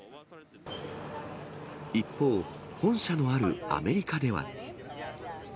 一方、本社のあるアメリカでは。